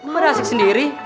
mereka asik sendiri